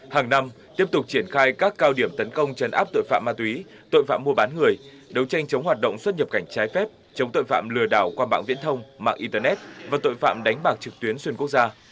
hàng năm tiếp tục triển khai các cao điểm tấn công chấn áp tội phạm ma túy tội phạm mua bán người đấu tranh chống hoạt động xuất nhập cảnh trái phép chống tội phạm lừa đảo qua mạng viễn thông mạng internet và tội phạm đánh bạc trực tuyến xuyên quốc gia